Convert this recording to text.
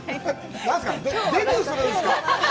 何ですか、デビューするんですか？